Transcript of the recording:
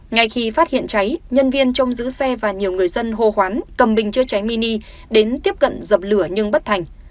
ngay khi phát hiện cháy nhân viên trong giữ xe và nhiều người dân hô hoán cầm bình chữa cháy mini đến tiếp cận dập lửa nhưng bất thành